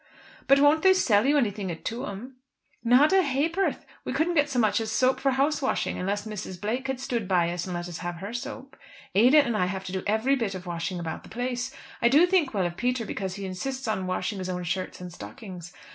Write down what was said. "But won't they sell you anything at Tuam?" "Not a ha'porth. We couldn't get so much as soap for house washing, unless Mrs. Blake had stood by us and let us have her soap. Ada and I have to do every bit of washing about the place. I do think well of Peter because he insists on washing his own shirts and stockings.